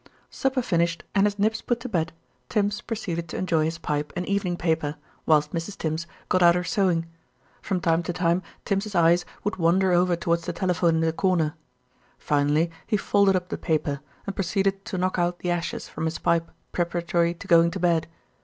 Supper finished and his Nibs put to bed, Tims proceeded to enjoy his pipe and evening paper, whilst Mrs. Tims got out her sewing. From time to time Tims's eyes would wander over towards the telephone in the corner. Finally he folded up the paper, and proceeded to knock out the ashes from his pipe preparatory to going to bed.